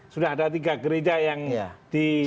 sudah ada tiga gereja yang di